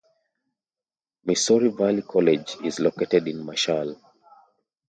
Missouri Valley College is located in Marshall.